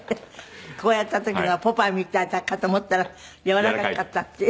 こうやった時はポパイみたいかと思ったらやわらかかったっていう。